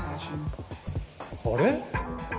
あれ？